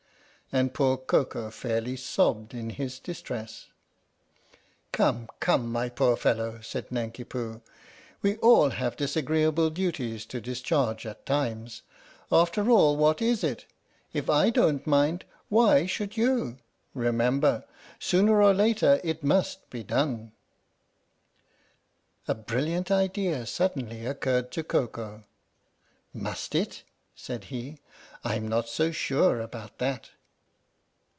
And poor Koko fairly sobbed in his distress. " Come, come, my poor fellow," said Nanki Poo, 8? THE STORY OF THE MIKADO 4 'we all have disagreeable duties to discharge at times. After all, what is it? If I don't mind, why should you? Remember, sooner or later it must be done! " A brilliant idea suddenly occurred to Koko. " Must it? " said he. " I'm not so sure about that!